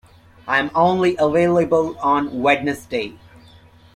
I am only available on Wednesday.